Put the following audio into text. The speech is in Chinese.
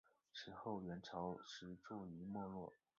此后元朝时趋于没落。